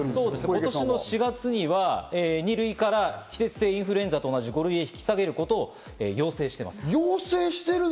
今年の４月には２類から季節性インフルエンザと同じ５類へ引き下げることを要請しています。